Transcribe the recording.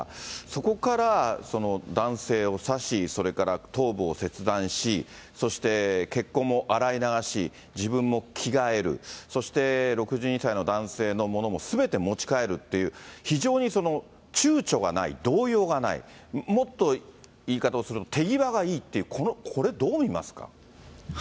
そこから男性を刺し、それから頭部を切断し、そして血痕も洗い流し、自分も着替える、そして６２歳の男性のものもすべて持ち帰るっていう、非常にちゅうちょがない、動揺がない、もっと言い方をすると、手際がいいって、これ、どう見ますか。